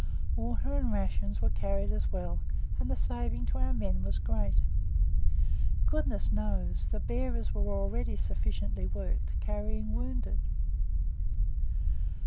Water and rations were carried as well, and the saving to our men was great. Goodness knows the bearers were already sufficiently worked carrying wounded.